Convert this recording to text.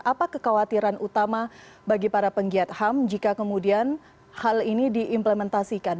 apa kekhawatiran utama bagi para penggiat ham jika kemudian hal ini diimplementasikan